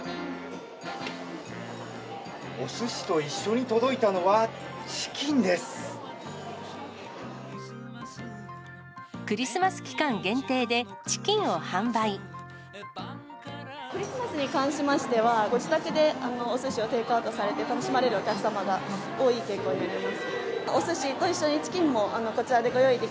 おすしと一緒に届いたのはチクリスマス期間限定でチキンクリスマスに関しましては、ご自宅でおすしをテイクアウトされて楽しまれるお客様が多い傾向にあります。